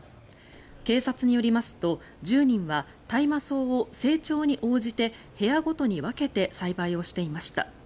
警察によりますと１０人は大麻草を成長に応じて部屋ごとに分けて栽培をしていました。